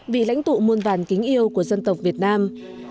vị lãnh tụ muôn vàn kính yêu của dân tộc việt nam